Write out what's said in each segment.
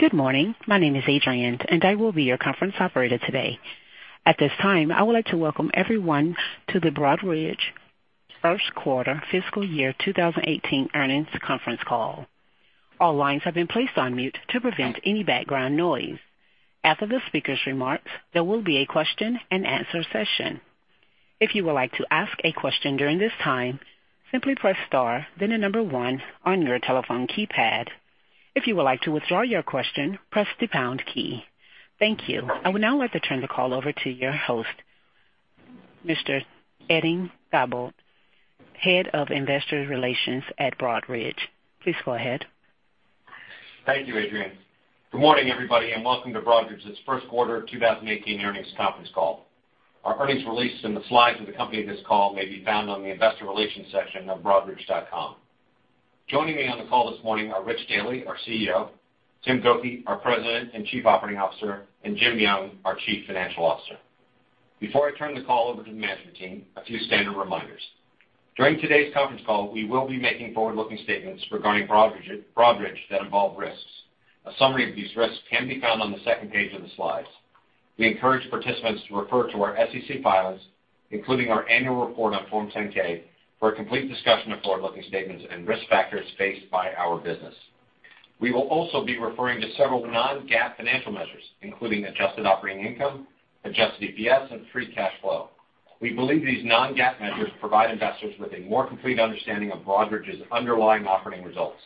Good morning. My name is Adrienne, and I will be your conference operator today. At this time, I would like to welcome everyone to the Broadridge first quarter fiscal year 2018 earnings conference call. All lines have been placed on mute to prevent any background noise. After the speaker's remarks, there will be a question and answer session. If you would like to ask a question during this time, simply press star, then the number 1 on your telephone keypad. If you would like to withdraw your question, press the pound key. Thank you. I would now like to turn the call over to your host, Mr. Edings Thibault, Head of Investor Relations at Broadridge. Please go ahead. Thank you, Adrienne. Good morning, everybody. Welcome to Broadridge's first quarter 2018 earnings conference call. Our earnings release and the slides that accompany this call may be found on the investor relations section of broadridge.com. Joining me on the call this morning are Rich Daly, our CEO, Tim Gokey, our President and Chief Operating Officer, Jim Young, our Chief Financial Officer. Before I turn the call over to the management team, a few standard reminders. During today's conference call, we will be making forward-looking statements regarding Broadridge that involve risks. A summary of these risks can be found on the second page of the slides. We encourage participants to refer to our SEC filings, including our annual report on Form 10-K, for a complete discussion of forward-looking statements and risk factors faced by our business. We will also be referring to several non-GAAP financial measures, including adjusted operating income, adjusted EPS, and free cash flow. We believe these non-GAAP measures provide investors with a more complete understanding of Broadridge's underlying operating results.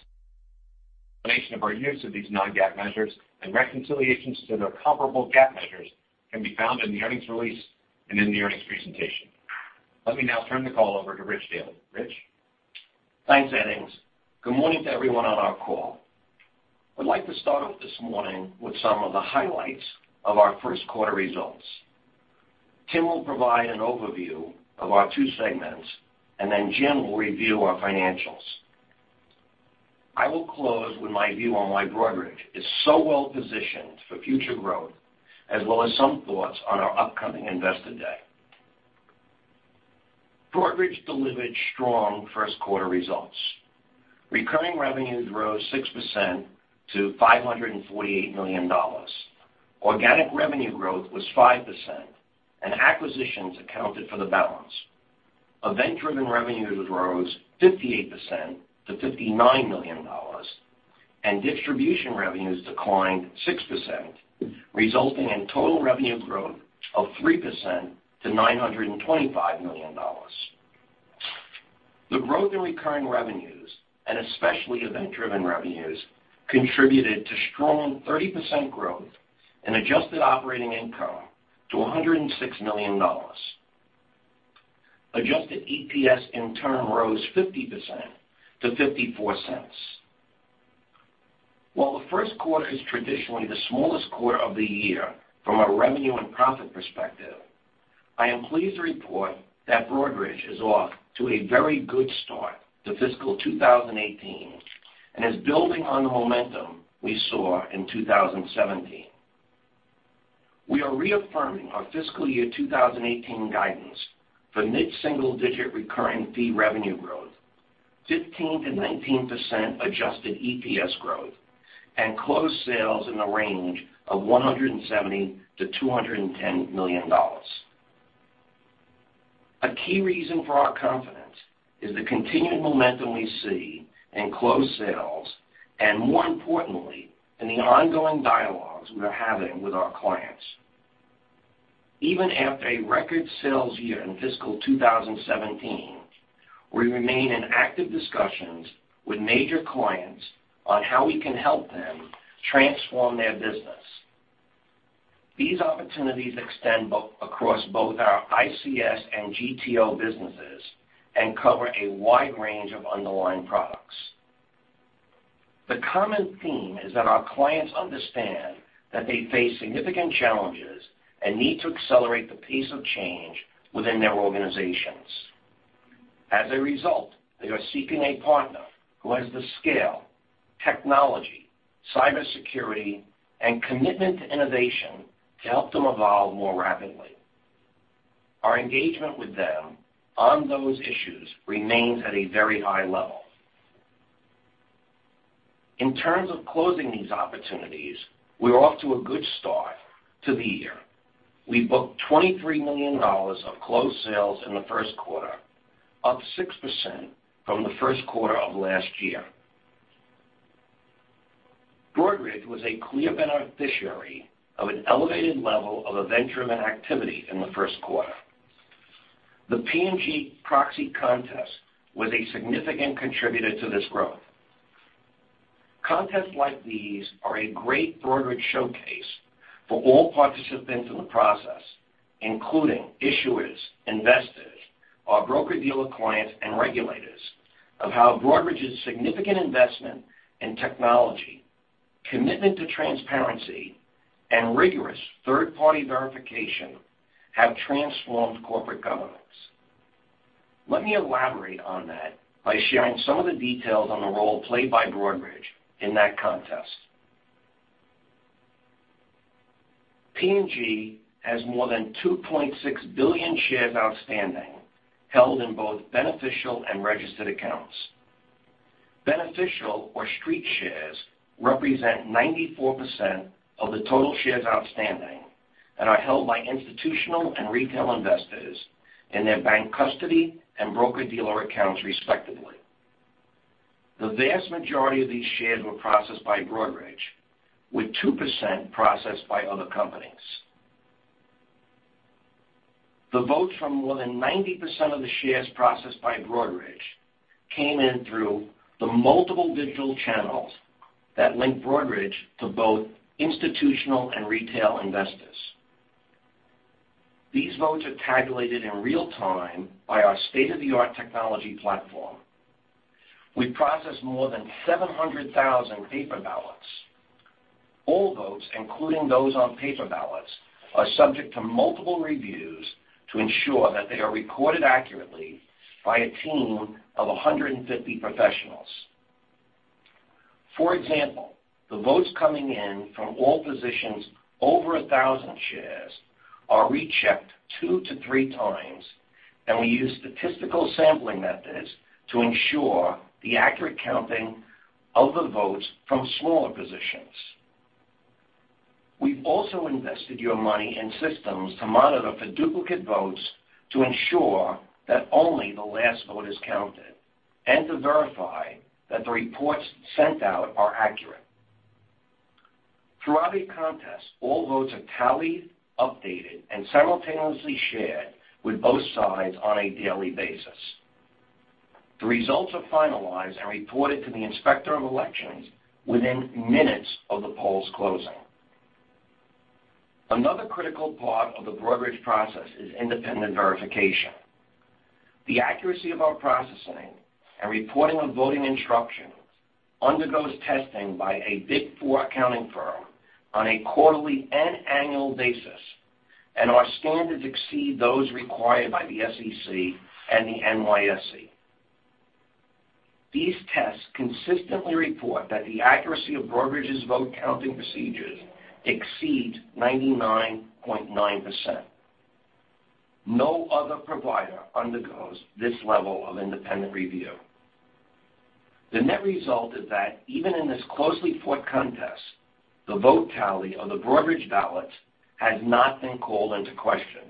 An explanation of our use of these non-GAAP measures and reconciliations to their comparable GAAP measures can be found in the earnings release and in the earnings presentation. Let me now turn the call over to Rich Daly. Rich? Thanks, Edings. Good morning to everyone on our call. I'd like to start off this morning with some of the highlights of our first quarter results. Tim will provide an overview of our two segments. Jim will review our financials. I will close with my view on why Broadridge is so well positioned for future growth, as well as some thoughts on our upcoming Investor Day. Broadridge delivered strong first quarter results. Recurring revenues rose 6% to $548 million. Organic revenue growth was 5%. Acquisitions accounted for the balance. Event-driven revenues rose 58% to $59 million. Distribution revenues declined 6%, resulting in total revenue growth of 3% to $925 million. The growth in recurring revenues, especially event-driven revenues, contributed to strong 30% growth in adjusted operating income to $106 million. Adjusted EPS in turn rose 50% to $0.54. While the first quarter is traditionally the smallest quarter of the year from a revenue and profit perspective, I am pleased to report that Broadridge is off to a very good start to fiscal 2018 and is building on the momentum we saw in 2017. We are reaffirming our fiscal year 2018 guidance for mid-single digit recurring fee revenue growth, 15%-19% adjusted EPS growth, and closed sales in the range of $170 million-$210 million. A key reason for our confidence is the continued momentum we see in closed sales and, more importantly, in the ongoing dialogues we are having with our clients. Even after a record sales year in fiscal 2017, we remain in active discussions with major clients on how we can help them transform their business. These opportunities extend across both our ICS and GTO businesses and cover a wide range of underlying products. The common theme is that our clients understand that they face significant challenges and need to accelerate the pace of change within their organizations. As a result, they are seeking a partner who has the scale, technology, cybersecurity, and commitment to innovation to help them evolve more rapidly. Our engagement with them on those issues remains at a very high level. In terms of closing these opportunities, we are off to a good start to the year. We booked $23 million of closed sales in the first quarter, up 6% from the first quarter of last year. Broadridge was a clear beneficiary of an elevated level of event-driven activity in the first quarter. The P&G proxy contest was a significant contributor to this growth. Contests like these are a great Broadridge showcase for all participants in the process, including issuers, investors, our broker-dealer clients, and regulators, of how Broadridge's significant investment in technology, commitment to transparency, and rigorous third-party verification have transformed corporate governance. Let me elaborate on that by sharing some of the details on the role played by Broadridge in that contest. P&G has more than 2.6 billion shares outstanding, held in both beneficial and registered accounts. Beneficial or street shares represent 94% of the total shares outstanding and are held by institutional and retail investors in their bank custody and broker-dealer accounts, respectively. The vast majority of these shares were processed by Broadridge, with 2% processed by other companies. The votes from more than 90% of the shares processed by Broadridge came in through the multiple digital channels that link Broadridge to both institutional and retail investors. These votes are tabulated in real time by our state-of-the-art technology platform. We processed more than 700,000 paper ballots. All votes, including those on paper ballots, are subject to multiple reviews to ensure that they are recorded accurately by a team of 150 professionals. For example, the votes coming in from all positions over 1,000 shares are rechecked two to three times, and we use statistical sampling methods to ensure the accurate counting of the votes from smaller positions. We have also invested your money in systems to monitor for duplicate votes to ensure that only the last vote is counted and to verify that the reports sent out are accurate. Throughout a contest, all votes are tallied, updated, and simultaneously shared with both sides on a daily basis. The results are finalized and reported to the Inspector of Elections within minutes of the polls closing. Another critical part of the Broadridge process is independent verification. The accuracy of our processing and reporting of voting instructions undergoes testing by a Big Four accounting firm on a quarterly and annual basis, and our standards exceed those required by the SEC and the NYSE. These tests consistently report that the accuracy of Broadridge's vote-counting procedures exceeds 99.9%. No other provider undergoes this level of independent review. The net result is that even in this closely fought contest, the vote tally of the Broadridge ballots has not been called into question.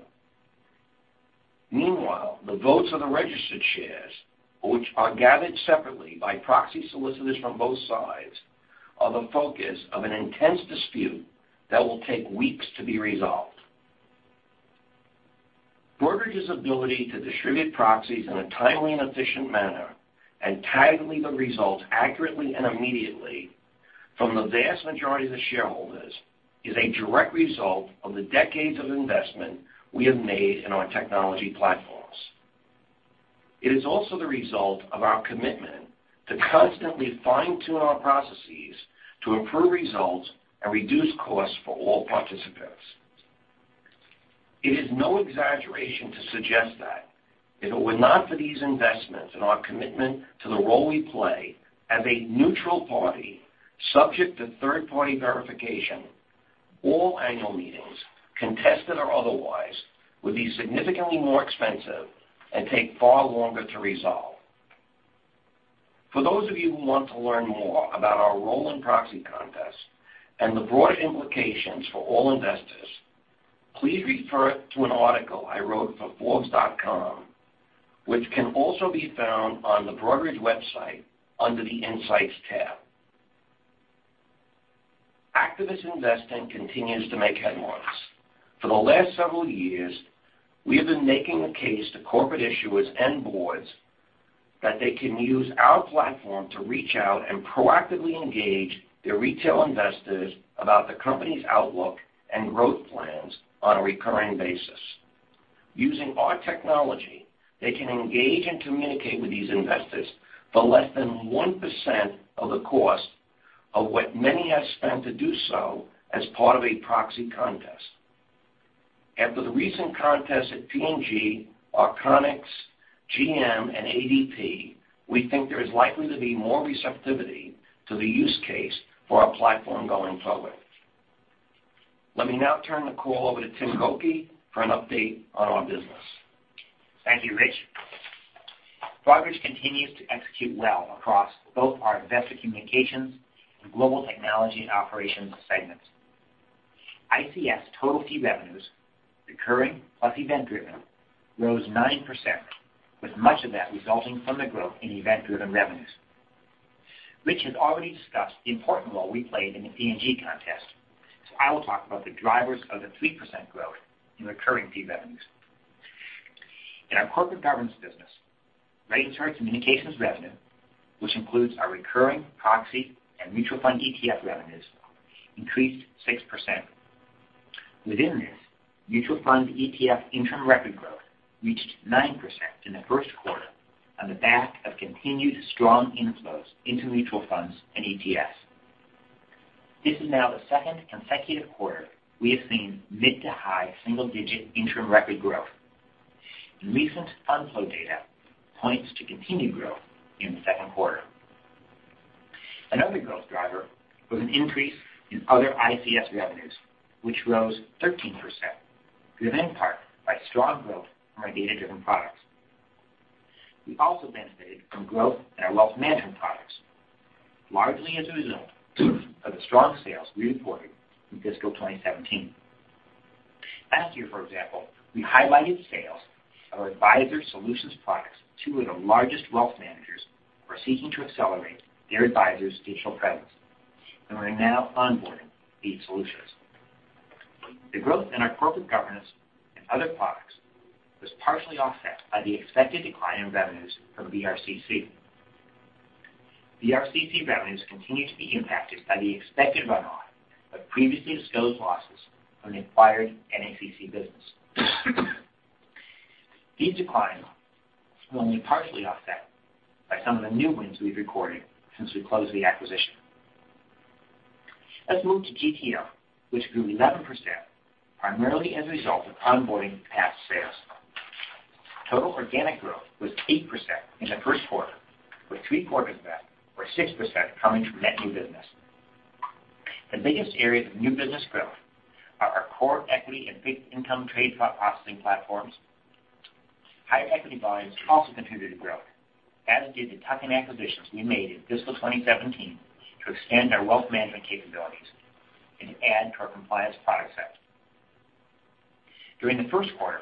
Meanwhile, the votes of the registered shares, which are gathered separately by proxy solicitors from both sides, are the focus of an intense dispute that will take weeks to be resolved. Broadridge's ability to distribute proxies in a timely and efficient manner and tally the results accurately and immediately from the vast majority of the shareholders is a direct result of the decades of investment we have made in our technology platforms. It is also the result of our commitment to constantly fine-tune our processes to improve results and reduce costs for all participants. It is no exaggeration to suggest that if it were not for these investments and our commitment to the role we play as a neutral party, subject to third-party verification, all annual meetings, contested or otherwise, would be significantly more expensive and take far longer to resolve. For those of you who want to learn more about our role in proxy contests and the broader implications for all investors, please refer to an article I wrote for forbes.com, which can also be found on the Broadridge website under the Insights tab. Activist investing continues to make headlines. For the last several years, we have been making the case to corporate issuers and boards that they can use our platform to reach out and proactively engage their retail investors about the company's outlook and growth plans on a recurring basis. Using our technology, they can engage and communicate with these investors for less than 1% of the cost of what many have spent to do so as part of a proxy contest. After the recent contests at P&G, Arconic, GM, and ADP, we think there is likely to be more receptivity to the use case for our platform going forward. Let me now turn the call over to Tim Gokey for an update on our business. Thank you, Rich. Broadridge continues to execute well across both our Investor Communications and Global Technology & Operations segments. ICS total fee revenues, recurring plus event-driven, rose 9%, with much of that resulting from the growth in event-driven revenues. Rich has already discussed the important role we played in the P&G contest, I will talk about the drivers of the 3% growth in recurring fee revenues. In our corporate governance business, Rated Services communications revenue, which includes our recurring proxy and mutual fund ETF revenues, increased 6%. Within this, mutual fund ETF interim record growth reached 9% in the first quarter on the back of continued strong inflows into mutual funds and ETFs. This is now the second consecutive quarter we have seen mid-to-high single-digit interim record growth, and recent fund flow data points to continued growth in the second quarter. Another growth driver was an increase in other ICS revenues, which rose 13%, driven in part by strong growth from our data-driven products. We also benefited from growth in our wealth management products, largely as a result of the strong sales we reported in fiscal 2017. Last year, for example, we highlighted sales of our Advisor Solutions products to two of the largest wealth managers who are seeking to accelerate their advisors' digital presence and are now onboarding these solutions. The growth in our corporate governance and other products was partially offset by the expected decline in revenues from BRCC. BRCC revenues continue to be impacted by the expected runoff of previously disclosed losses from the acquired NACC business. These declines were only partially offset by some of the new wins we've recorded since we closed the acquisition. Let's move to GTO, which grew 11%, primarily as a result of onboarding past sales. Total organic growth was 8% in the first quarter, with three-quarters of that, or 6%, coming from net new business. The biggest areas of new business growth are our core equity and fixed income trade processing platforms. Higher equity volumes also contributed to growth, as did the tuck-in acquisitions we made in fiscal 2017 to extend our wealth management capabilities and add to our compliance product set. During the first quarter,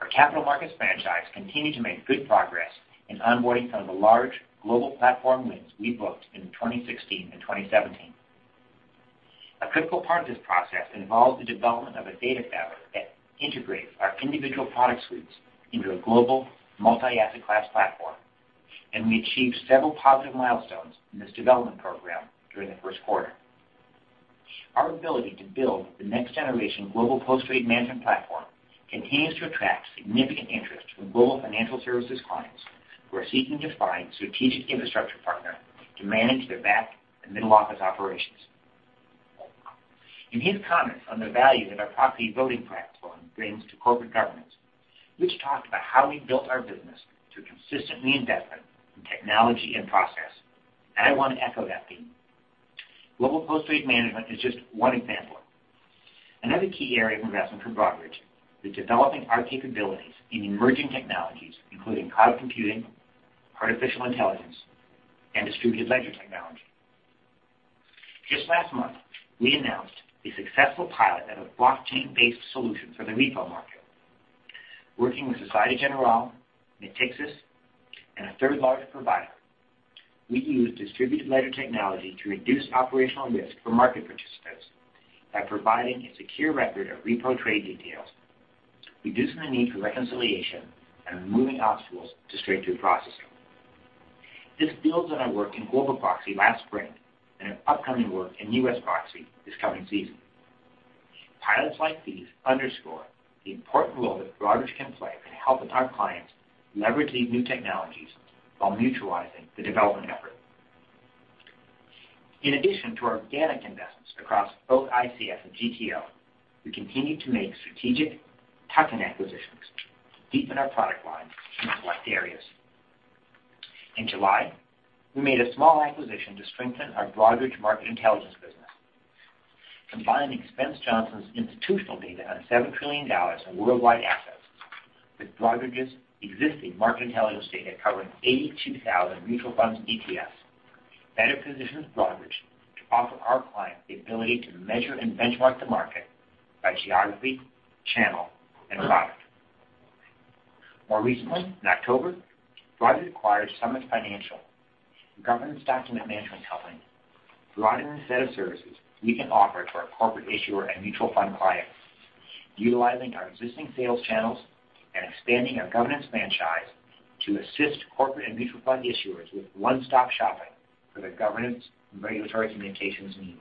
our capital markets franchise continued to make good progress in onboarding some of the large global platform wins we booked in 2016 and 2017. A critical part of this process involved the development of a data fabric that integrates our individual product suites into a global multi-asset class platform, and we achieved several positive milestones in this development program during the first quarter. Our ability to build the next-generation global post-trade management platform continues to attract significant interest from global financial services clients who are seeking to find a strategic infrastructure partner to manage their back and middle office operations. In his comments on the value that our proxy voting platform brings to corporate governance, Rich talked about how we built our business through consistent reinvestment in technology and process, I want to echo that theme. Global post-trade management is just one example. Another key area of investment for Broadridge is developing our capabilities in emerging technologies, including cloud computing, artificial intelligence, and distributed ledger technology. Just last month, we announced the successful pilot of a blockchain-based solution for the repo market. Working with Société Générale, Natixis, and a third large provider, we used distributed ledger technology to reduce operational risk for market participants by providing a secure record of repo trade details, reducing the need for reconciliation, and removing obstacles to straight-through processing. This builds on our work in global proxy last spring and our upcoming work in U.S. proxy this coming season. Pilots like these underscore the important role that Broadridge can play in helping our clients leverage these new technologies while mutualizing the development effort. In addition to our organic investments across both ICS and GTO, we continue to make strategic tuck-in acquisitions to deepen our product lines in select areas. In July, we made a small acquisition to strengthen our Broadridge Market Intelligence business. Combining Spence Johnson's institutional data on $7 trillion in worldwide assets with Broadridge's existing market intelligence data covering 82,000 mutual funds and ETFs better positions Broadridge to offer our clients the ability to measure and benchmark the market by geography, channel, and product. More recently, in October, Broadridge acquired Summit Financial, a governance document management company, broadening the set of services we can offer to our corporate issuer and mutual fund clients, utilizing our existing sales channels and expanding our governance franchise to assist corporate and mutual fund issuers with one-stop shopping for their governance and regulatory communications needs.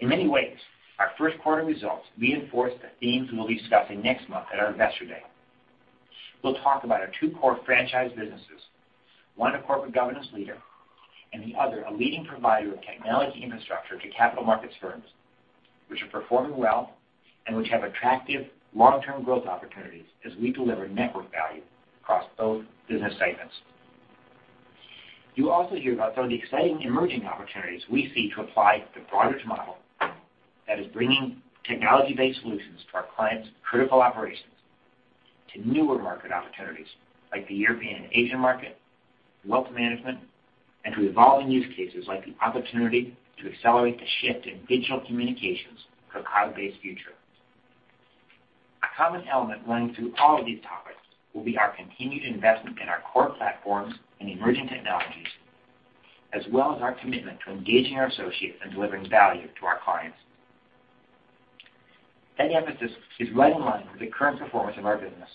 In many ways, our first quarter results reinforce the themes we'll be discussing next month at our Investor Day. We'll talk about our two core franchise businesses, one a corporate governance leader, and the other a leading provider of technology infrastructure to capital markets firms, which are performing well and which have attractive long-term growth opportunities as we deliver network value across both business segments. You'll also hear about some of the exciting emerging opportunities we see to apply the Broadridge model that is bringing technology-based solutions to our clients' critical operations to newer market opportunities, like the European and Asian market, wealth management, and to evolving use cases like the opportunity to accelerate the shift in digital communications to a cloud-based future. A common element running through all of these topics will be our continued investment in our core platforms and emerging technologies, as well as our commitment to engaging our associates and delivering value to our clients. That emphasis is right in line with the current performance of our business.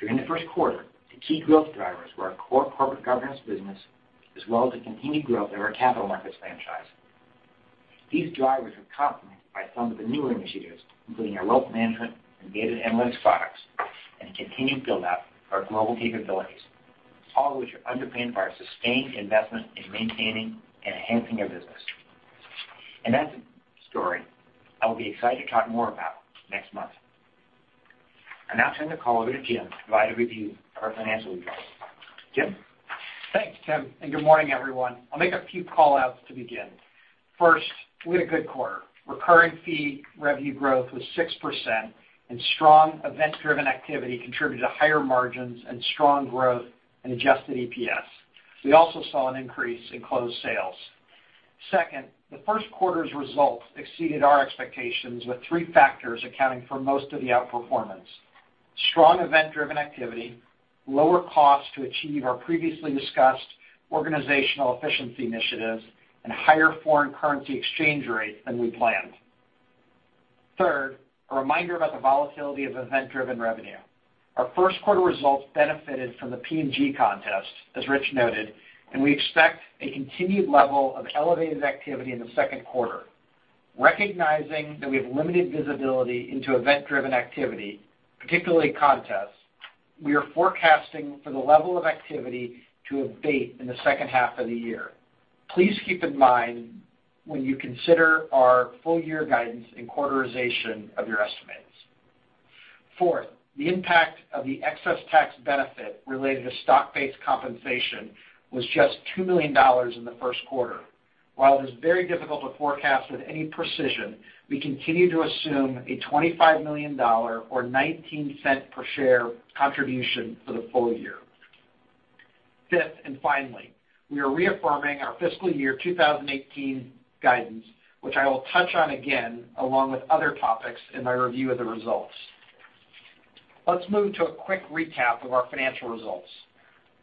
During the first quarter, the key growth drivers were our core corporate governance business, as well as the continued growth of our capital markets franchise. These drivers were complemented by some of the newer initiatives, including our wealth management and data analytics products, and the continued build-out of our global capabilities, all of which are underpinned by our sustained investment in maintaining and enhancing our business. That's a story I will be excited to talk more about next month. I now turn the call over to Jim to provide a review of our financial results. Jim? Thanks, Tim, and good morning, everyone. I'll make a few call-outs to begin. First, we had a good quarter. Recurring fee revenue growth was 6%, and strong event-driven activity contributed to higher margins and strong growth in adjusted EPS. We also saw an increase in closed sales. Second, the first quarter's results exceeded our expectations, with three factors accounting for most of the outperformance: strong event-driven activity, lower costs to achieve our previously discussed organizational efficiency initiatives, and higher foreign currency exchange rates than we planned. Third, a reminder about the volatility of event-driven revenue. Our first quarter results benefited from the P&G contest, as Rich noted, and we expect a continued level of elevated activity in the second quarter. Recognizing that we have limited visibility into event-driven activity, particularly contests, we are forecasting for the level of activity to abate in the second half of the year. Please keep in mind when you consider our full year guidance and quarterization of your estimates. Fourth, the impact of the excess tax benefit related to stock-based compensation was just $2 million in the first quarter. While it is very difficult to forecast with any precision, we continue to assume a $25 million or $0.19 per share contribution for the full year. Finally, we are reaffirming our fiscal year 2018 guidance, which I will touch on again, along with other topics in my review of the results. Let's move to a quick recap of our financial results.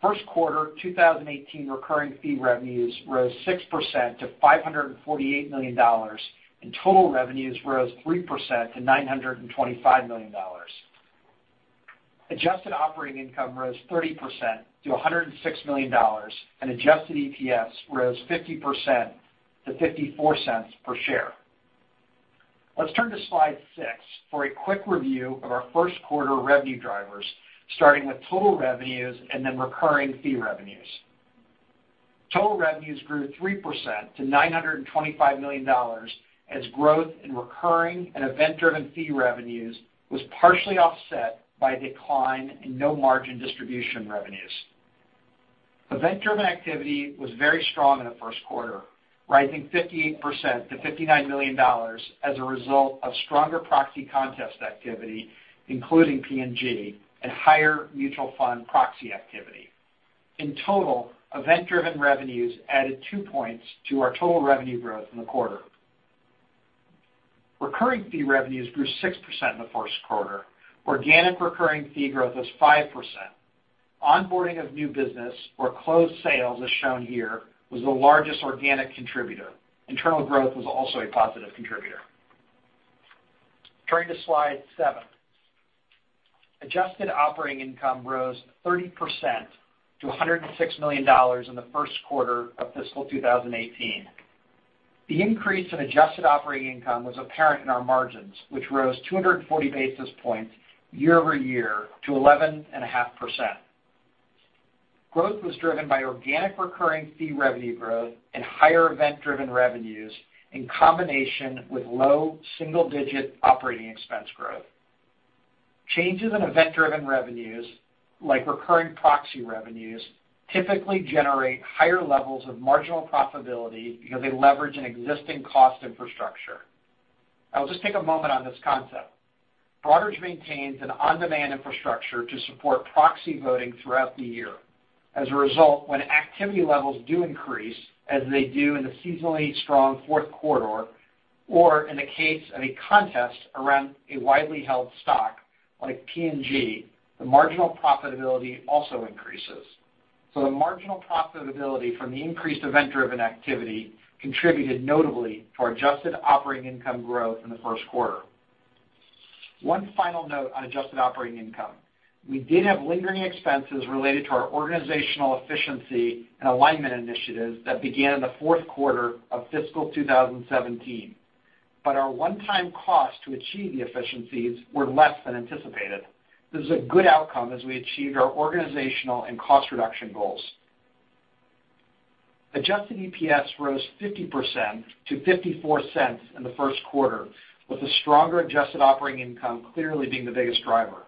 First quarter 2018 recurring fee revenues rose 6% to $548 million, and total revenues rose 3% to $925 million. Adjusted operating income rose 30% to $106 million, and adjusted EPS rose 50% to $0.54 per share. Let's turn to slide six for a quick review of our first quarter revenue drivers, starting with total revenues and then recurring fee revenues. Total revenues grew 3% to $925 million as growth in recurring and event-driven fee revenues was partially offset by a decline in no-margin distribution revenues. Event-driven activity was very strong in the first quarter, rising 58% to $59 million as a result of stronger proxy contest activity, including P&G, and higher mutual fund proxy activity. In total, event-driven revenues added two points to our total revenue growth in the quarter. Recurring fee revenues grew 6% in the first quarter. Organic recurring fee growth was 5%. Onboarding of new business or closed sales, as shown here, was the largest organic contributor. Internal growth was also a positive contributor. Turning to slide seven. Adjusted operating income rose 30% to $106 million in the first quarter of fiscal 2018. The increase in adjusted operating income was apparent in our margins, which rose 240 basis points year-over-year to 11.5%. Growth was driven by organic recurring fee revenue growth and higher event-driven revenues in combination with low single-digit operating expense growth. Changes in event-driven revenues, like recurring proxy revenues, typically generate higher levels of marginal profitability because they leverage an existing cost infrastructure. I will just take a moment on this concept. Broadridge maintains an on-demand infrastructure to support proxy voting throughout the year. As a result, when activity levels do increase, as they do in the seasonally strong fourth quarter, or in the case of a contest around a widely held stock like P&G, the marginal profitability also increases. The marginal profitability from the increased event-driven activity contributed notably to our adjusted operating income growth in the first quarter. One final note on adjusted operating income. We did have lingering expenses related to our organizational efficiency and alignment initiatives that began in the fourth quarter of fiscal 2017. Our one-time cost to achieve the efficiencies were less than anticipated. This is a good outcome as we achieved our organizational and cost reduction goals. adjusted EPS rose 50% to $0.54 in the first quarter, with the stronger adjusted operating income clearly being the biggest driver.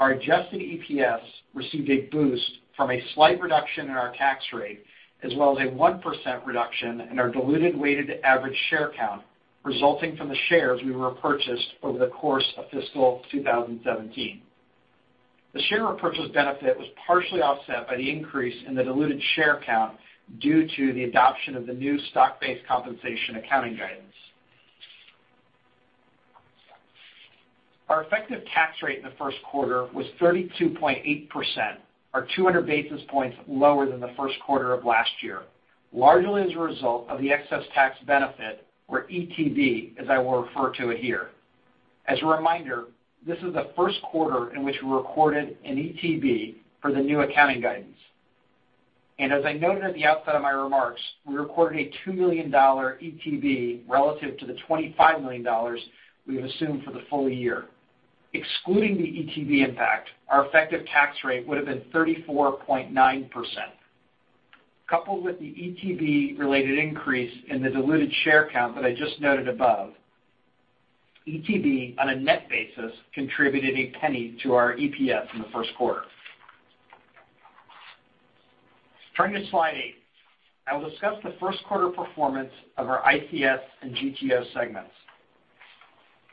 Our adjusted EPS received a boost from a slight reduction in our tax rate, as well as a 1% reduction in our diluted weighted average share count resulting from the shares we repurchased over the course of fiscal 2017. The share repurchase benefit was partially offset by the increase in the diluted share count due to the adoption of the new stock-based compensation accounting guidance. Our effective tax rate in the first quarter was 32.8%, or 200 basis points lower than the first quarter of last year, largely as a result of the excess tax benefit, or ETB, as I will refer to it here. As a reminder, this is the first quarter in which we recorded an ETB for the new accounting guidance. As I noted at the outset of my remarks, we recorded a $2 million ETB relative to the $25 million we have assumed for the full year. Excluding the ETB impact, our effective tax rate would have been 34.9%. Coupled with the ETB-related increase in the diluted share count that I just noted above, ETB, on a net basis, contributed $0.01 to our EPS in the first quarter. Turning to slide eight. I will discuss the first quarter performance of our ICS and GTO segments.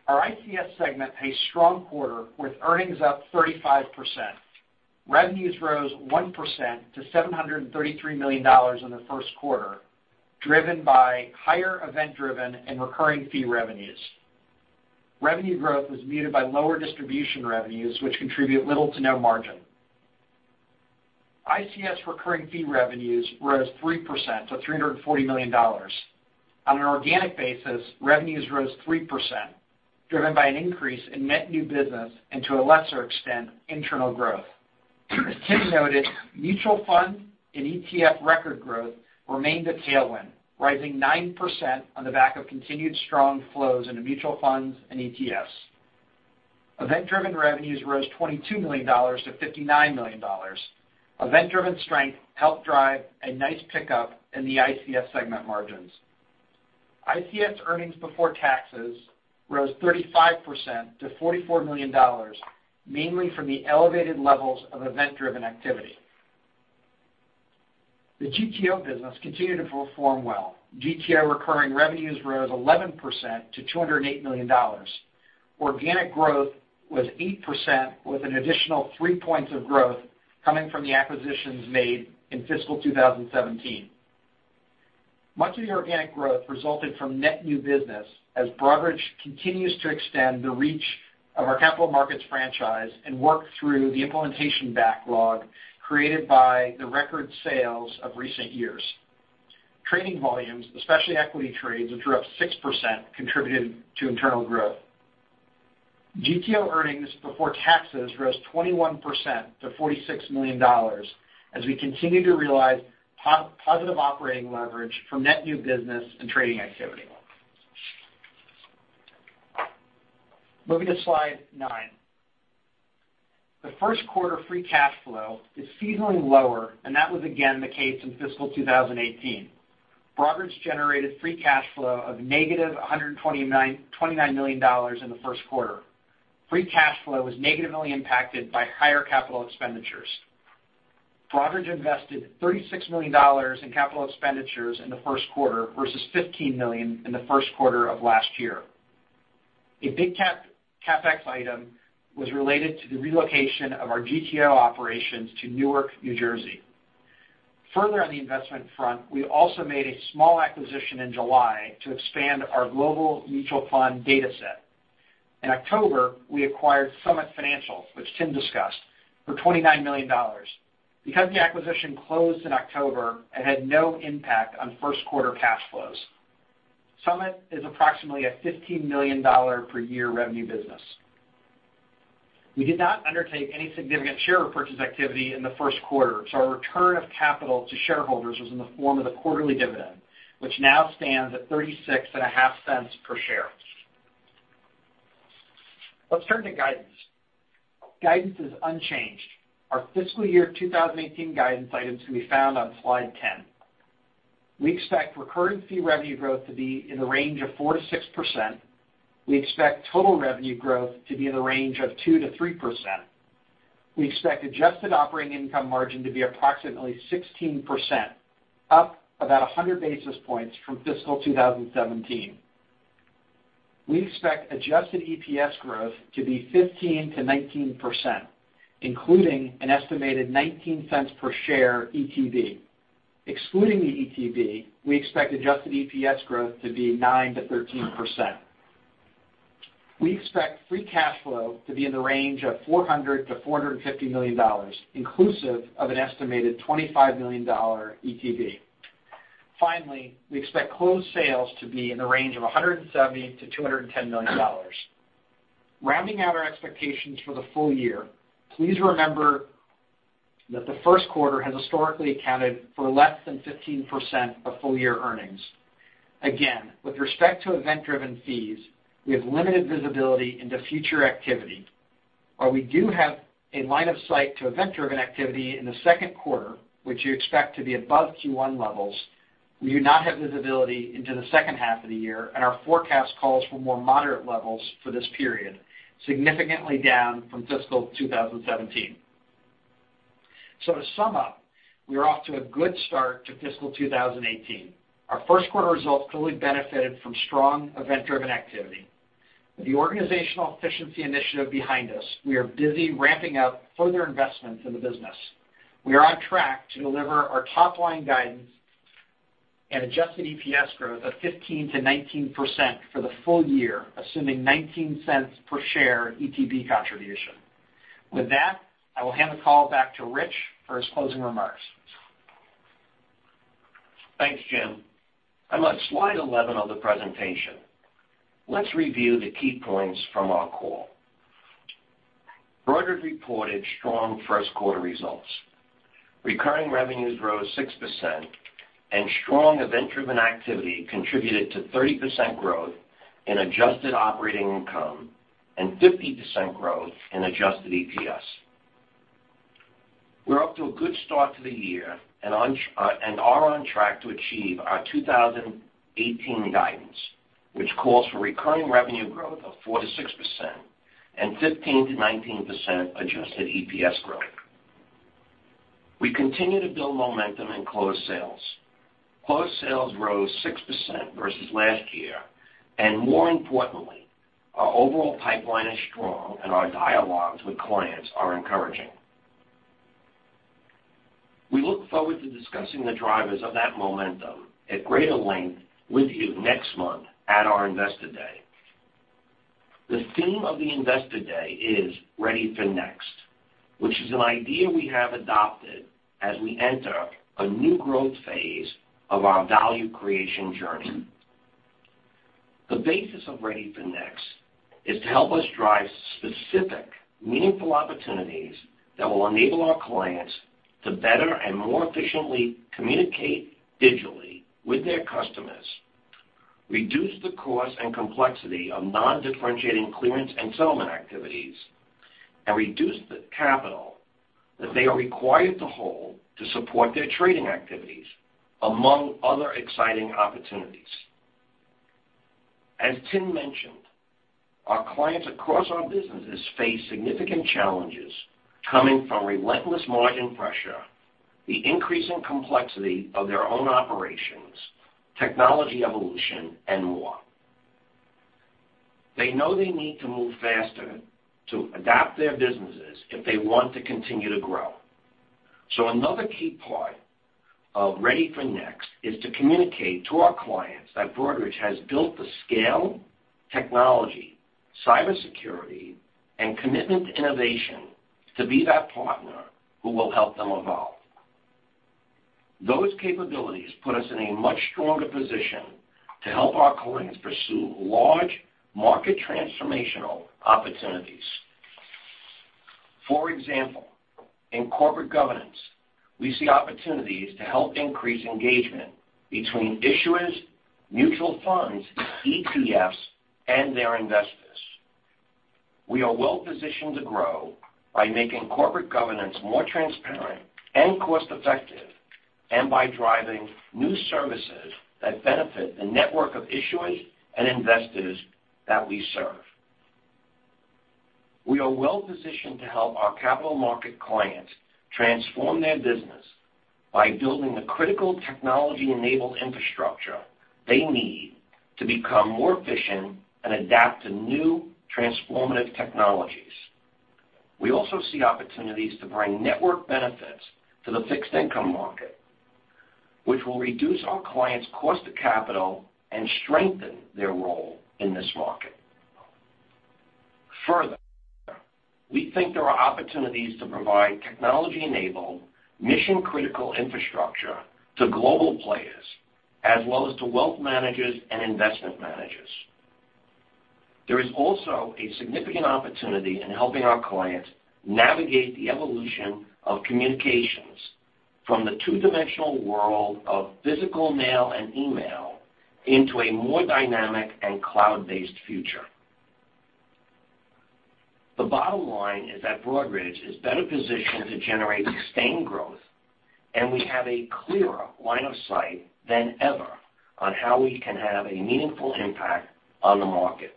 Our ICS segment had a strong quarter, with earnings up 35%. Revenues rose 1% to $733 million in the first quarter, driven by higher event-driven and recurring fee revenues. Revenue growth was muted by lower distribution revenues, which contribute little to no margin. ICS recurring fee revenues rose 3% to $340 million. On an organic basis, revenues rose 3%, driven by an increase in net new business and, to a lesser extent, internal growth. As Tim noted, mutual fund and ETF record growth remained a tailwind, rising 9% on the back of continued strong flows into mutual funds and ETFs. Event-driven revenues rose $22 million to $59 million. Event-driven strength helped drive a nice pickup in the ICS segment margins. ICS earnings before taxes rose 35% to $44 million, mainly from the elevated levels of event-driven activity. The GTO business continued to perform well. GTO recurring revenues rose 11% to $208 million. Organic growth was 8%, with an additional three points of growth coming from the acquisitions made in fiscal 2017. Much of the organic growth resulted from net new business, as Broadridge continues to extend the reach of our capital markets franchise and work through the implementation backlog created by the record sales of recent years. Trading volumes, especially equity trades, which were up 6%, contributed to internal growth. GTO earnings before taxes rose 21% to $46 million, as we continued to realize positive operating leverage from net new business and trading activity. Moving to slide nine. The first quarter free cash flow is seasonally lower, and that was again the case in fiscal 2018. Broadridge generated free cash flow of negative $129 million in the first quarter. Free cash flow was negatively impacted by higher capital expenditures. Broadridge invested $36 million in capital expenditures in the first quarter versus $15 million in the first quarter of last year. A big CapEx item was related to the relocation of our GTO operations to Newark, New Jersey. Further on the investment front, we also made a small acquisition in July to expand our global mutual fund data set. In October, we acquired Summit Financial, which Tim discussed, for $29 million. Because the acquisition closed in October, it had no impact on first quarter cash flows. Summit is approximately a $15 million per year revenue business. We did not undertake any significant share repurchase activity in the first quarter, so our return of capital to shareholders was in the form of the quarterly dividend, which now stands at $0.365 per share. Let's turn to guidance. Guidance is unchanged. Our fiscal year 2018 guidance items can be found on slide 10. We expect recurring fee revenue growth to be in the range of 4%-6%. We expect total revenue growth to be in the range of 2%-3%. We expect adjusted operating income margin to be approximately 16%, up about 100 basis points from fiscal 2017. We expect adjusted EPS growth to be 15%-19%, including an estimated $0.19 per share ETB. Excluding the ETB, we expect adjusted EPS growth to be 9%-13%. We expect free cash flow to be in the range of $400 million-$450 million, inclusive of an estimated $25 million ETB. We expect closed sales to be in the range of $170 million-$210 million. Rounding out our expectations for the full year, please remember that the first quarter has historically accounted for less than 15% of full year earnings. Again, with respect to event-driven fees, we have limited visibility into future activity. While we do have a line of sight to event-driven activity in the second quarter, which we expect to be above Q1 levels, we do not have visibility into the second half of the year, and our forecast calls for more moderate levels for this period, significantly down from fiscal 2017. To sum up, we are off to a good start to fiscal 2018. Our first quarter results clearly benefited from strong event-driven activity. With the organizational efficiency initiative behind us, we are busy ramping up further investments in the business. We are on track to deliver our top-line guidance and adjusted EPS growth of 15%-19% for the full year, assuming $0.19 per share ETB contribution. I will hand the call back to Rich for his closing remarks. Thanks, Jim. I'm on slide 11 of the presentation. Let's review the key points from our call. Broadridge reported strong first quarter results. Recurring revenues rose 6%. Strong event-driven activity contributed to 30% growth in adjusted operating income and 50% growth in adjusted EPS. We're off to a good start to the year and are on track to achieve our 2018 guidance, which calls for recurring revenue growth of 4%-6% and 15%-19% adjusted EPS growth. We continue to build momentum in closed sales. Closed sales rose 6% versus last year, more importantly, our overall pipeline is strong and our dialogues with clients are encouraging. We look forward to discussing the drivers of that momentum at greater length with you next month at our Investor Day. The theme of the Investor Day is Ready for Next, which is an idea we have adopted as we enter a new growth phase of our value creation journey. The basis of Ready for Next is to help us drive specific, meaningful opportunities that will enable our clients to better and more efficiently communicate digitally with their customers, reduce the cost and complexity of non-differentiating clearance and settlement activities, and reduce the capital that they are required to hold to support their trading activities, among other exciting opportunities. As Tim mentioned, our clients across our businesses face significant challenges coming from relentless margin pressure, the increasing complexity of their own operations, technology evolution, and more. They know they need to move faster to adapt their businesses if they want to continue to grow. Another key part of Ready for Next is to communicate to our clients that Broadridge has built the scale, technology, cybersecurity, and commitment to innovation to be that partner who will help them evolve. Those capabilities put us in a much stronger position to help our clients pursue large market transformational opportunities. For example, in corporate governance, we see opportunities to help increase engagement between issuers, mutual funds, ETFs and their investors. We are well positioned to grow by making corporate governance more transparent and cost effective, by driving new services that benefit the network of issuers and investors that we serve. We are well positioned to help our capital market clients transform their business by building the critical technology-enabled infrastructure they need to become more efficient and adapt to new transformative technologies. We also see opportunities to bring network benefits to the fixed income market, which will reduce our clients' cost of capital and strengthen their role in this market. Further, we think there are opportunities to provide technology-enabled, mission-critical infrastructure to global players as well as to wealth managers and investment managers. There is also a significant opportunity in helping our clients navigate the evolution of communications from the two-dimensional world of physical mail and email into a more dynamic and cloud-based future. The bottom line is that Broadridge is better positioned to generate sustained growth, and we have a clearer line of sight than ever on how we can have a meaningful impact on the market.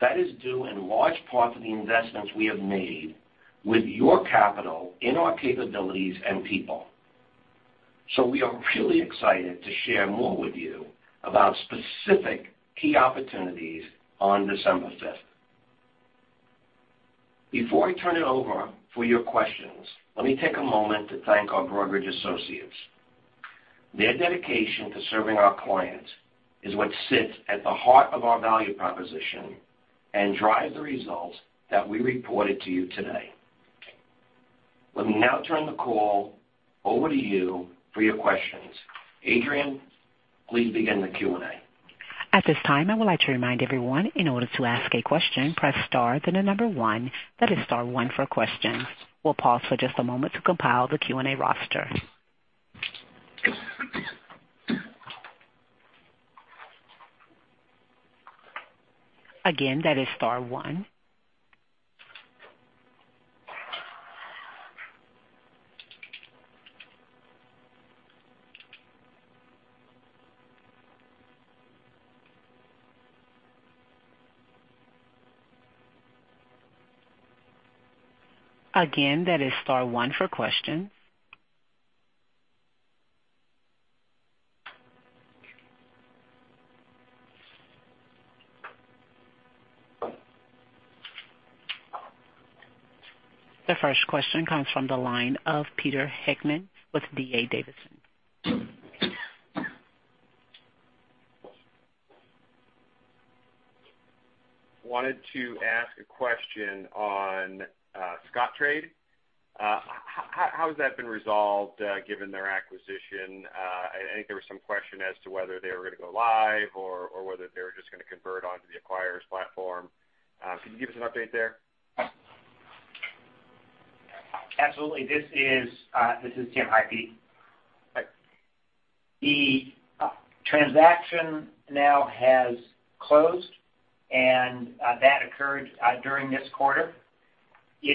That is due in large part to the investments we have made with your capital in our capabilities and people. We are really excited to share more with you about specific key opportunities on December 5th. Before I turn it over for your questions, let me take a moment to thank our Broadridge associates. Their dedication to serving our clients is what sits at the heart of our value proposition and drives the results that we reported to you today. Let me now turn the call over to you for your questions. Adrienne, please begin the Q&A. At this time, I would like to remind everyone, in order to ask a question, press star then the number 1. That is star 1 for questions. We'll pause for just a moment to compile the Q&A roster. Again, that is star 1. Again, that is star 1 for questions. The first question comes from the line of Peter Heckmann with D.A. Davidson. Wanted to ask a question on Scottrade. How has that been resolved given their acquisition? I think there was some question as to whether they were going to go live or whether they were just going to convert onto the acquirer's platform. Can you give us an update there? Absolutely. This is Tim Gokey. The transaction now has closed, and that occurred during this quarter. It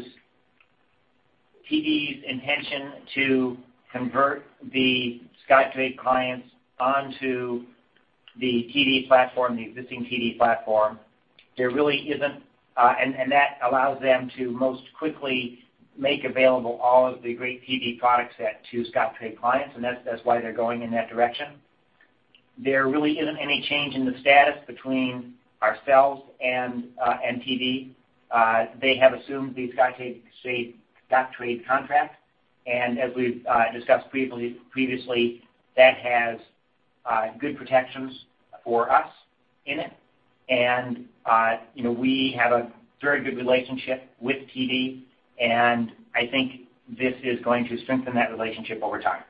is TD's intention to convert the Scottrade clients onto the existing TD platform. That allows them to most quickly make available all of the great TD products to Scottrade clients, and that's why they're going in that direction. There really isn't any change in the status between ourselves and TD. They have assumed the Scottrade contract. As we've discussed previously, that has good protections for us in it. We have a very good relationship with TD, and I think this is going to strengthen that relationship over time.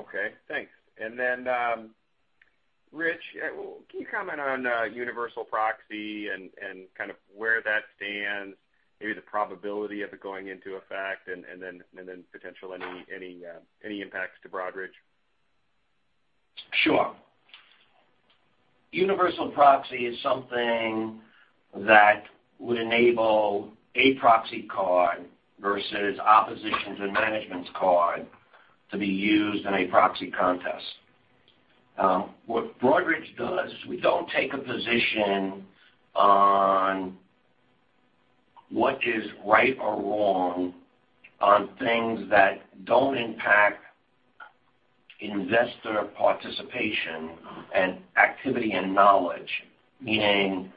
Okay, thanks. Then Rich, can you comment on universal proxy and kind of where that stands, maybe the probability of it going into effect, and then potentially any impacts to Broadridge? Sure. Universal proxy is something that would enable a proxy card versus oppositions and management's card to be used in a proxy contest. What Broadridge does, we don't take a position on what is right or wrong on things that don't impact investor participation and activity and knowledge, meaning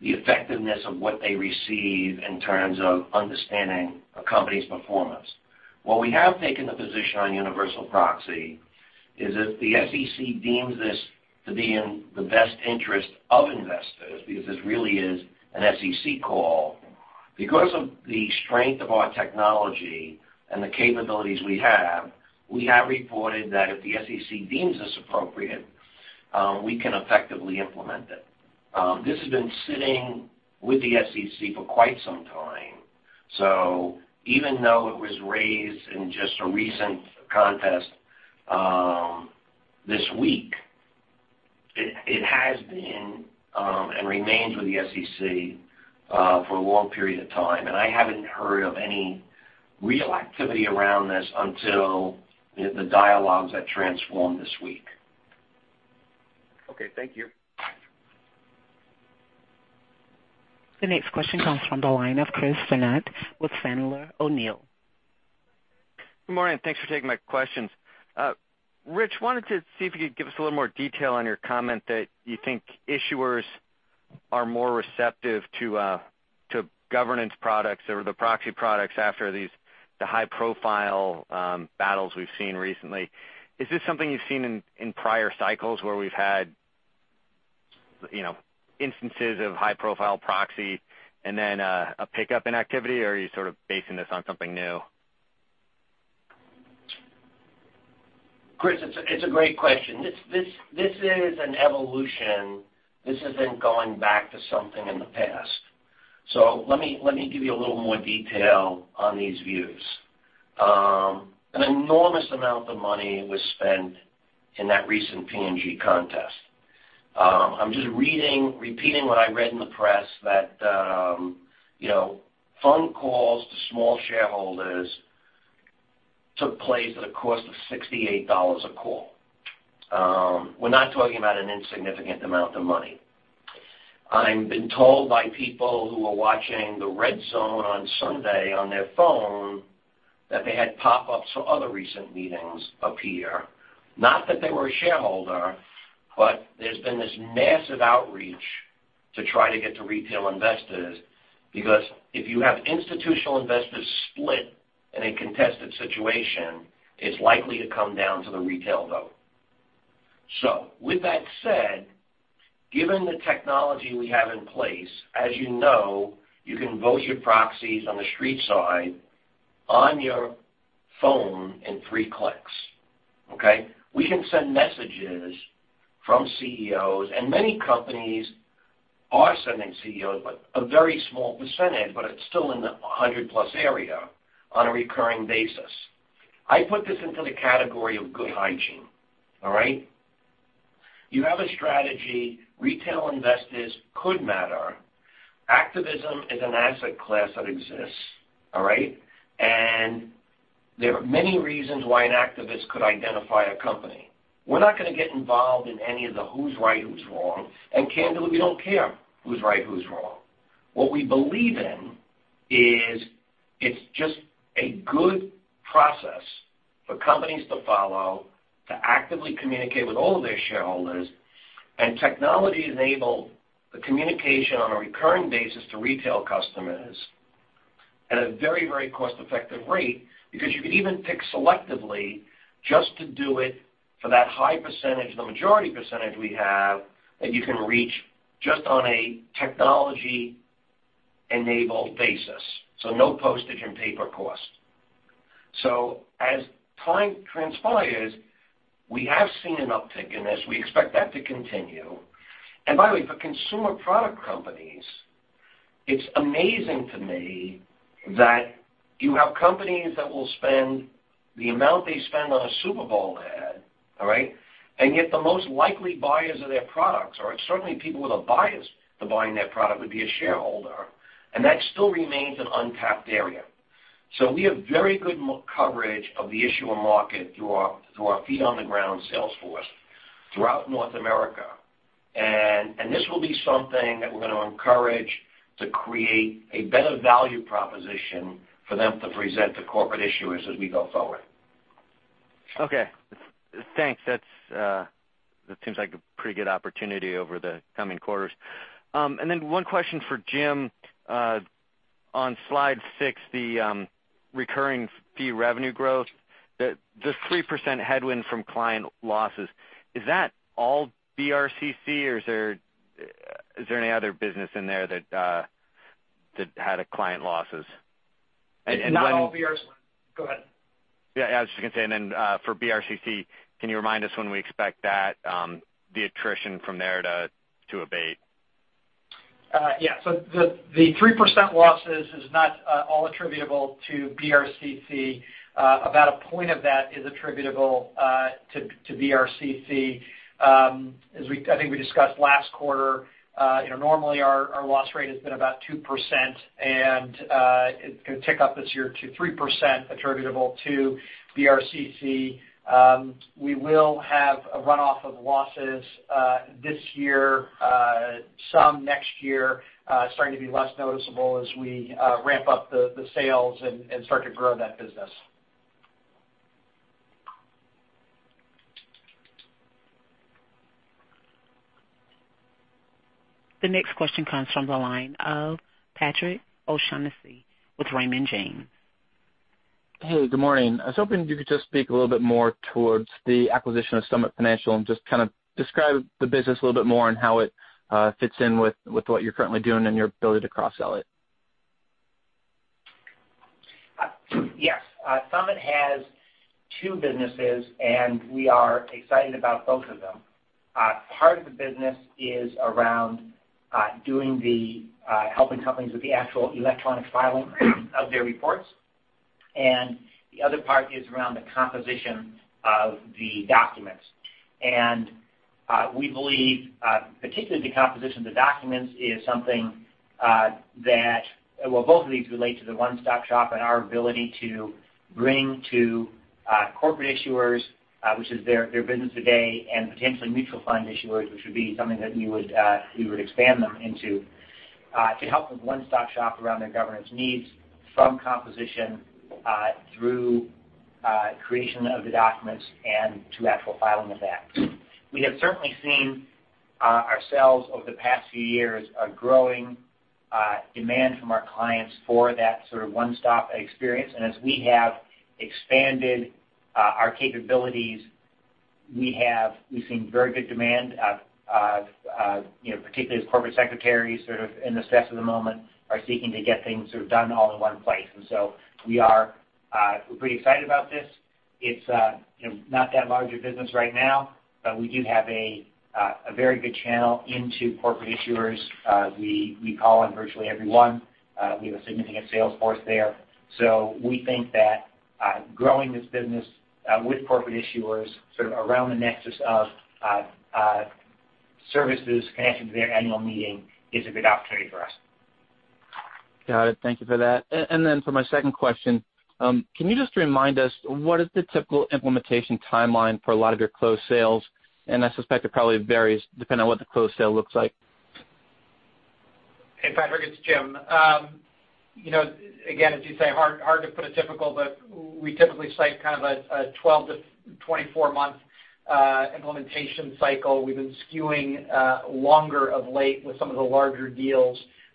the effectiveness of what they receive in terms of understanding a company's performance. What we have taken the position on universal proxy is if the SEC deems this to be in the best interest of investors, because this really is an SEC call. Because of the strength of our technology and the capabilities we have, we have reported that if the SEC deems this appropriate, we can effectively implement it. This has been sitting with the SEC for quite some time. Even though it was raised in just a recent contest this week, it has been, and remains with the SEC for a long period of time, I haven't heard of any real activity around this until the dialogues that transformed this week. Okay, thank you. The next question comes from the line of Chris [Vennard] with. Good morning. Thanks for taking my questions. Rich, wanted to see if you could give us a little more detail on your comment that you think issuers are more receptive to governance products or the proxy products after the high-profile battles we've seen recently. Is this something you've seen in prior cycles where we've had instances of high-profile proxy and then a pickup in activity, or are you sort of basing this on something new? Chris, it's a great question. This is an evolution. This isn't going back to something in the past. Let me give you a little more detail on these views. An enormous amount of money was spent in that recent P&G contest. I'm just repeating what I read in the press that phone calls to small shareholders took place at a cost of $68 a call. We're not talking about an insignificant amount of money. I've been told by people who were watching the NFL RedZone on Sunday on their phone that they had pop-ups for other recent meetings appear, not that they were a shareholder, but there's been this massive outreach to try to get to retail investors, because if you have institutional investors split in a contested situation, it's likely to come down to the retail vote. With that said, given the technology we have in place, as you know, you can vote your proxies on the street side on your phone in three clicks. Okay? We can send messages from CEOs, and many companies are sending CEOs, but a very small percentage, but it's still in the 100-plus area on a recurring basis. I put this into the category of good hygiene. All right? You have a strategy. Retail investors could matter. Activism is an asset class that exists, all right? There are many reasons why an activist could identify a company. We're not going to get involved in any of the who's right, who's wrong, and candidly, we don't care who's right, who's wrong. What we believe in is it's just a good process for companies to follow to actively communicate with all of their shareholders. Technology enable the communication on a recurring basis to retail customers at a very cost-effective rate because you could even pick selectively just to do it for that high percentage, the majority percentage we have, that you can reach just on a technology-enabled basis. No postage and paper costs. As time transpires, we have seen an uptick in this. We expect that to continue. By the way, for consumer product companies, it's amazing to me that you have companies that will spend the amount they spend on a Super Bowl ad, all right? Yet the most likely buyers of their products are certainly people with a bias to buying that product would be a shareholder, and that still remains an untapped area. We have very good coverage of the issuer market through our feet-on-the-ground sales force throughout North America. This will be something that we're going to encourage to create a better value proposition for them to present to corporate issuers as we go forward. Okay. Thanks. That seems like a pretty good opportunity over the coming quarters. One question for Jim. On slide six, the recurring fee revenue growth, the 3% headwind from client losses, is that all BRCC, or is there any other business in there that had a client losses? When- It's not all BRCC. Go ahead. Yeah. Then for BRCC, can you remind us when we expect that the attrition from there to abate? Yeah. The 3% losses is not all attributable to BRCC. About a point of that is attributable to BRCC. I think we discussed last quarter, normally our loss rate has been about 2%, it's going to tick up this year to 3% attributable to BRCC. We will have a runoff of losses this year, some next year, starting to be less noticeable as we ramp up the sales and start to grow that business. The next question comes from the line of Patrick O'Shaughnessy with Raymond James. Hey, good morning. I was hoping you could just speak a little bit more towards the acquisition of Summit Financial and just kind of describe the business a little bit more and how it fits in with what you're currently doing and your ability to cross-sell it. Yes. Summit has two businesses, and we are excited about both of them. Part of the business is around helping companies with the actual electronic filing of their reports, and the other part is around the composition of the documents. We believe, particularly the composition of the documents, is something that both of these relate to the one-stop shop and our ability to bring to corporate issuers, which is their business today, and potentially mutual fund issuers, which would be something that we would expand them into, to help with one-stop shop around their governance needs from composition through creation of the documents and to actual filing of that. We have certainly seen ourselves over the past few years a growing demand from our clients for that sort of one-stop experience. As we have expanded our capabilities, we've seen very good demand, particularly as corporate secretaries sort of in the stress of the moment are seeking to get things sort of done all in one place. We're pretty excited about this. It's not that large a business right now, but we do have a very good channel into corporate issuers. We call on virtually everyone. We have a significant sales force there. We think that growing this business with corporate issuers sort of around the nexus of services connected to their annual meeting is a good opportunity for us. Got it. Thank you for that. For my second question, can you just remind us what is the typical implementation timeline for a lot of your closed sales? I suspect it probably varies depending on what the closed sale looks like. Hey, Patrick, it's Jim. Again, as you say, hard to put a typical, but we typically cite kind of a 12 to 24-month implementation cycle. We've been skewing longer of late with some of the larger deals. That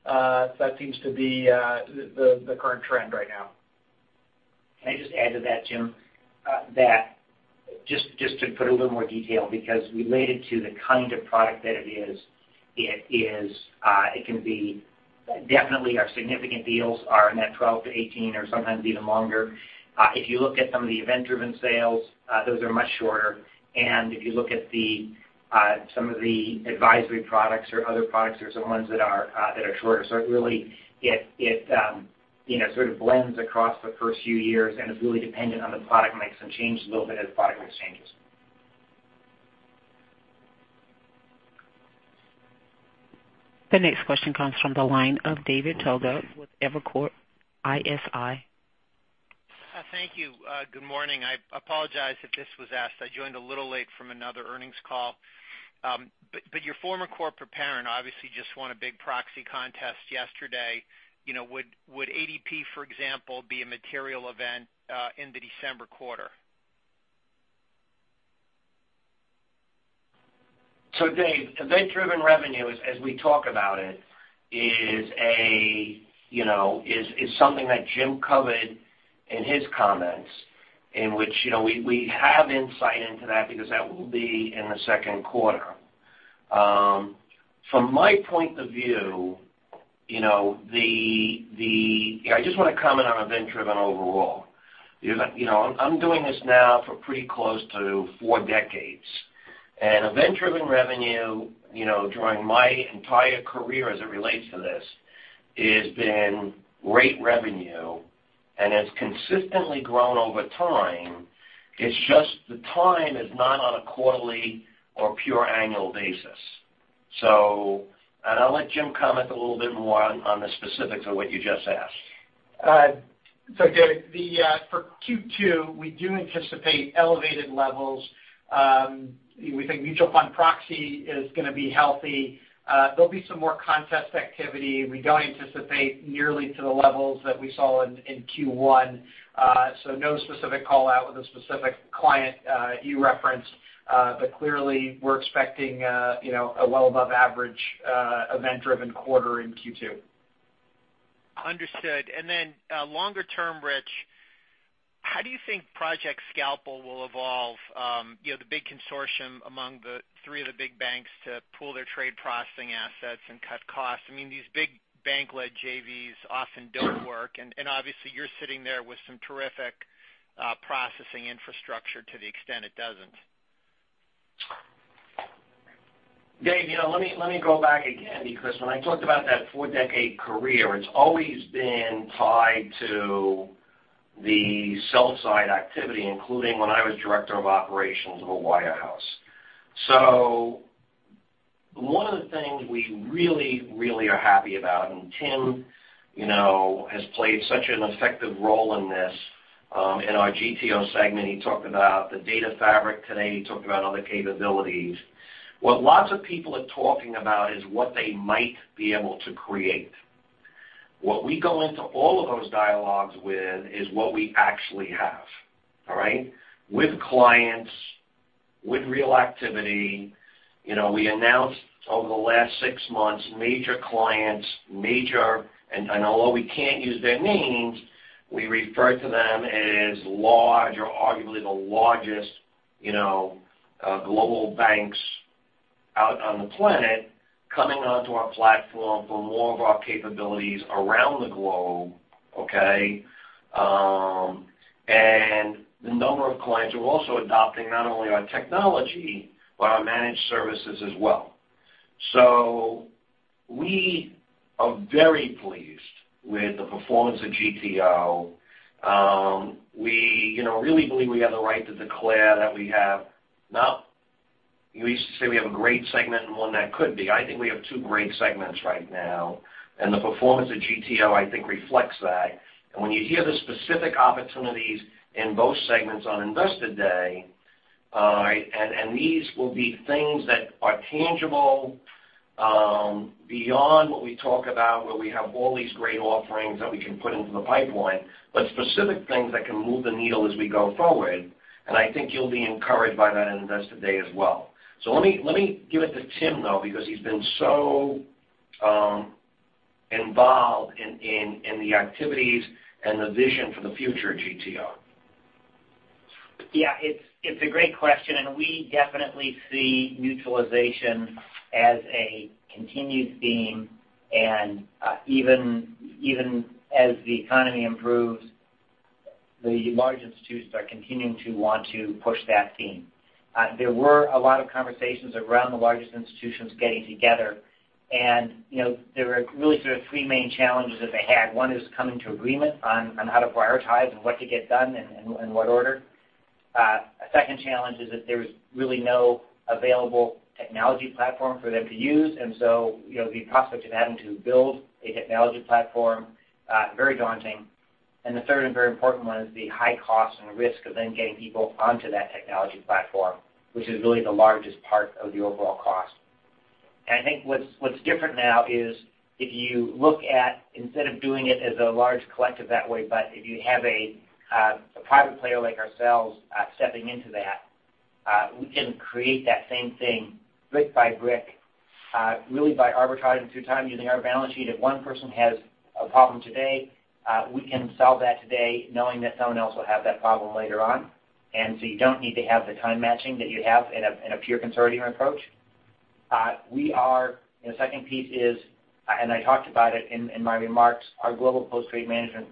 seems to be the current trend right now. Can I just add to that, James? Just to put a little more detail, because related to the kind of product that it is, definitely our significant deals are in that 12-18 or sometimes even longer. If you look at some of the event-driven sales, those are much shorter. If you look at some of the advisory products or other products, there are some ones that are shorter. It really sort of blends across the first few years and is really dependent on the product mix and changes a little bit as the product mix changes. The next question comes from the line of David Togut with Evercore ISI. Thank you. Good morning. I apologize if this was asked. I joined a little late from another earnings call. Your former corporate parent obviously just won a big proxy contest yesterday. Would ADP, for example, be a material event in the December quarter? Dave, event-driven revenue, as we talk about it, is something that James covered in his comments, in which we have insight into that because that will be in the second quarter. From my point of view I just want to comment on event-driven overall. I'm doing this now for pretty close to four decades. Event-driven revenue, during my entire career as it relates to this, has been great revenue and has consistently grown over time. It's just the time is not on a quarterly or pure annual basis. I'll let James comment a little bit more on the specifics of what you just asked. Dave, for Q2, we do anticipate elevated levels. We think mutual fund proxy is going to be healthy. There'll be some more contest activity. We don't anticipate nearly to the levels that we saw in Q1. No specific call-out with a specific client you referenced. Clearly, we're expecting a well above average event-driven quarter in Q2. Understood. Then, longer term, Rich, how do you think Project Scalpel will evolve, the big consortium among the three of the big banks to pool their trade processing assets and cut costs? These big bank-led JVs often don't work. Obviously, you're sitting there with some terrific processing infrastructure to the extent it doesn't. Dave, let me go back again because when I talked about that four-decade career, it's always been tied to the sell-side activity, including when I was director of operations of a wire house. One of the things we really, really are happy about, and Tim has played such an effective role in this. In our GTO segment, he talked about the data fabric today. He talked about other capabilities. What lots of people are talking about is what they might be able to create. What we go into all of those dialogues with is what we actually have. All right? With clients, with real activity. We announced over the last six months, major clients. Although we can't use their names, we refer to them as large or arguably the largest global banks out on the planet, coming onto our platform for more of our capabilities around the globe. Okay? The number of clients who are also adopting not only our technology, but our managed services as well. We are very pleased with the performance of GTO. We really believe we have the right to declare that now, we used to say we have a great segment and one that could be. I think we have two great segments right now. The performance of GTO, I think, reflects that. When you hear the specific opportunities in both segments on Investor Day, and these will be things that are tangible, beyond what we talk about, where we have all these great offerings that we can put into the pipeline, but specific things that can move the needle as we go forward. I think you'll be encouraged by that in Investor Day as well. Let me give it to Tim, though, because he's been so involved in the activities and the vision for the future of GTO. It's a great question, and we definitely see mutualization as a continued theme. Even as the economy improves, the large institutes are continuing to want to push that theme. There were a lot of conversations around the largest institutions getting together, and there were really sort of three main challenges that they had. One is coming to agreement on how to prioritize and what to get done and in what order. A second challenge is that there was really no available technology platform for them to use, and so the prospect of having to build a technology platform, very daunting. The third and very important one is the high cost and risk of then getting people onto that technology platform, which is really the largest part of the overall cost. I think what's different now is if you look at, instead of doing it as a large collective that way, but if you have a private player like ourselves stepping into that, we can create that same thing brick by brick, really by arbitraging through time using our balance sheet. If one person has a problem today, we can solve that today knowing that someone else will have that problem later on. You don't need to have the time matching that you have in a pure consortium approach. The second piece is, and I talked about it in my remarks, our global post-trade management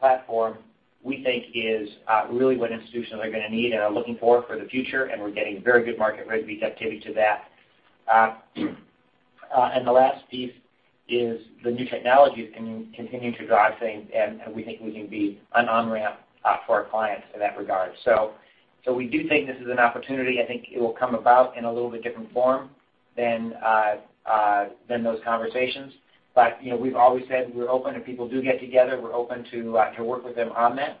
platform, we think, is really what institutions are going to need and are looking for the future. We're getting very good market readiness activity to that. The last piece is the new technologies can continue to drive things, and we think we can be an on-ramp for our clients in that regard. We do think this is an opportunity. I think it will come about in a little bit different form than those conversations. We've always said we're open if people do get together. We're open to work with them on that.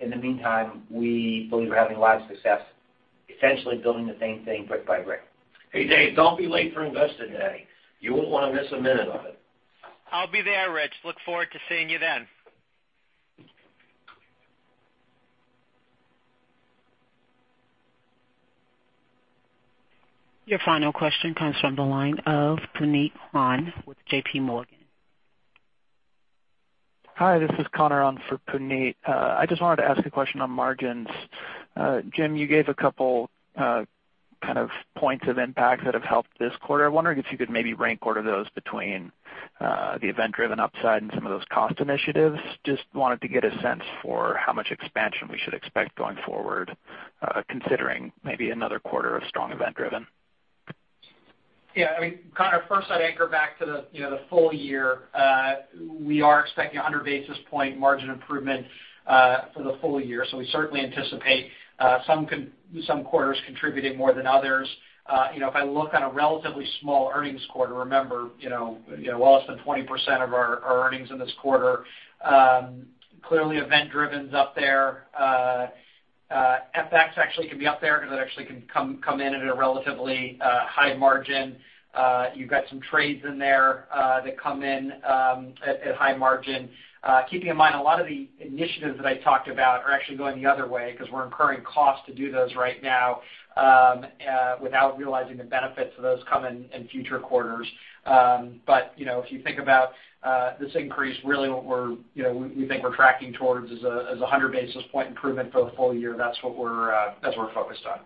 In the meantime, we believe we're having a lot of success, essentially building the same thing brick by brick. Hey, Dave, don't be late for Investor Day. You won't want to miss a minute of it. I'll be there, Rich. Look forward to seeing you then. Your final question comes from the line of Puneet Jain with JPMorgan. Hi, this is Conor on for Puneet. I just wanted to ask a question on margins. Jim, you gave a couple kind of points of impact that have helped this quarter. I'm wondering if you could maybe rank order those between the event-driven upside and some of those cost initiatives. Just wanted to get a sense for how much expansion we should expect going forward, considering maybe another quarter of strong event-driven. Yeah. I mean, Conor, first I would anchor back to the full year. We are expecting 100 basis point margin improvement for the full year. We certainly anticipate some quarters contributing more than others. If I look on a relatively small earnings quarter, remember, well less than 20% of our earnings in this quarter. Clearly event-driven is up there. FX actually can be up there because it actually can come in at a relatively high margin. You have got some trades in there that come in at high margin. Keeping in mind a lot of the initiatives that I talked about are actually going the other way because we are incurring costs to do those right now without realizing the benefits of those come in future quarters. If you think about this increase, really what we think we are tracking towards is 100 basis point improvement for the full year. That is what we are focused on.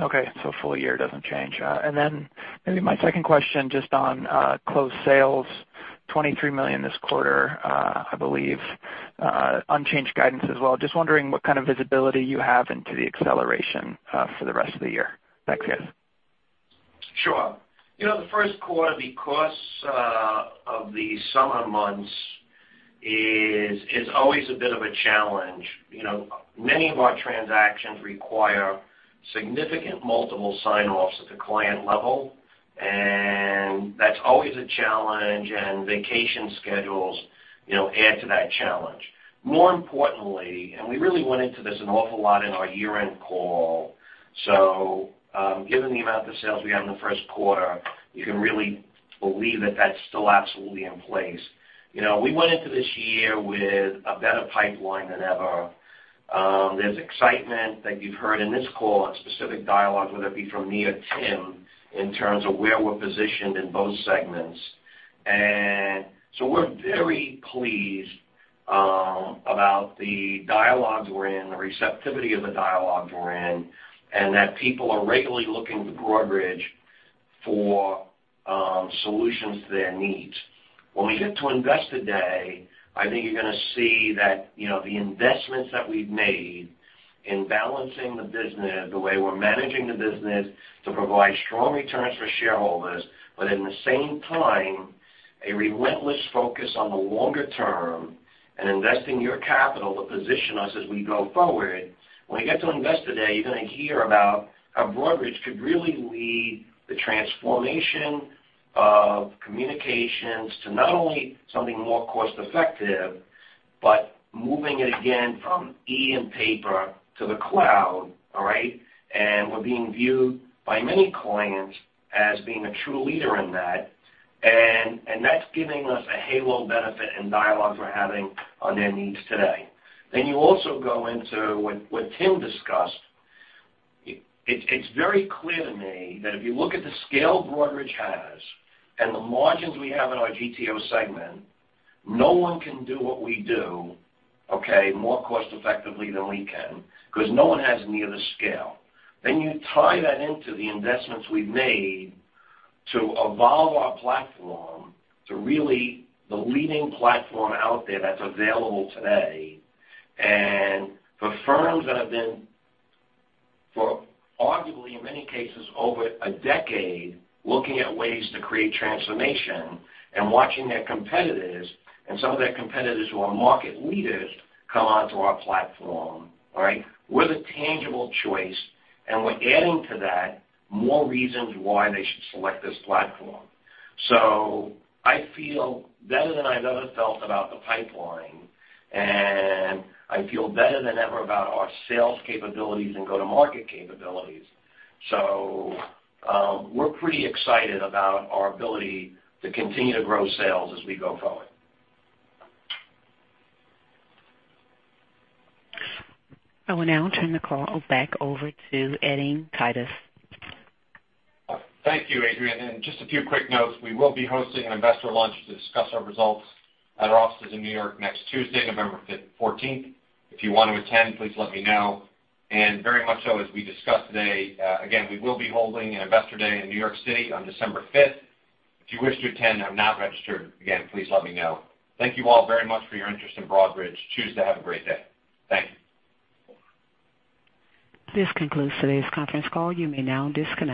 Okay. Full year does not change. Then maybe my second question just on closed sales, $23 million this quarter, I believe, unchanged guidance as well. Just wondering what kind of visibility you have into the acceleration for the rest of the year. Thanks, guys. Sure. The first quarter, because of the summer months, is always a bit of a challenge. Many of our transactions require significant multiple sign-offs at the client level, and that is always a challenge, and vacation schedules add to that challenge. More importantly, we really went into this an awful lot in our year-end call, given the amount of sales we have in the first quarter, you can really believe that that is still absolutely in place. We went into this year with a better pipeline than ever. There is excitement that you have heard in this call and specific dialogue, whether it be from me or Tim, in terms of where we are positioned in both segments. We are very pleased about the dialogues we are in, the receptivity of the dialogues we are in, and that people are regularly looking to Broadridge for solutions to their needs. When we get to Investor Day, I think you're going to see that the investments that we've made in balancing the business, the way we're managing the business to provide strong returns for shareholders, but at the same time, a relentless focus on the longer term and investing your capital to position us as we go forward. When we get to Investor Day, you're going to hear about how Broadridge could really lead the transformation of communications to not only something more cost-effective, but moving it again from E and paper to the cloud. All right. We're being viewed by many clients as being a true leader in that, and that's giving us a halo benefit and dialogue we're having on their needs today. You also go into what Tim discussed. It's very clear to me that if you look at the scale Broadridge has and the margins we have in our GTO segment, no one can do what we do, okay, more cost-effectively than we can, because no one has near the scale. You tie that into the investments we've made to evolve our platform to really the leading platform out there that's available today. For firms that have been for arguably, in many cases, over a decade, looking at ways to create transformation and watching their competitors and some of their competitors who are market leaders come onto our platform. All right. We're the tangible choice, and we're adding to that more reasons why they should select this platform. I feel better than I've ever felt about the pipeline, and I feel better than ever about our sales capabilities and go-to-market capabilities. We're pretty excited about our ability to continue to grow sales as we go forward. I will now turn the call back over to Edings Thibault. Thank you, Adrienne. Just a few quick notes. We will be hosting an investor lunch to discuss our results at our offices in New York next Tuesday, November 14th. If you want to attend, please let me know. Very much so as we discussed today, again, we will be holding an Investor Day in New York City on December fifth. If you wish to attend and have not registered, again, please let me know. Thank you all very much for your interest in Broadridge. Choose to have a great day. Thank you. This concludes today's conference call. You may now disconnect.